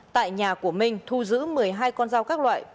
tại nhà của minh thu giữ một mươi hai con dao các loại